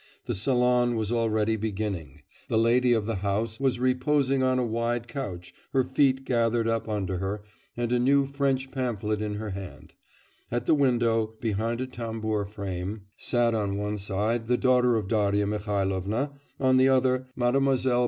The salon was already beginning. The lady of the house was reposing on a wide couch, her feet gathered up under her, and a new French pamphlet in her hand; at the window behind a tambour frame, sat on one side the daughter of Darya Mihailovna, on the other, Mlle.